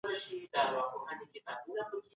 هیڅ وګړی باید له محاکمې پرته زنداني نه سي.